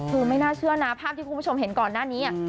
คือไม่น่าเชื่อนะภาพที่คุณผู้ชมเห็นก่อนหน้านี้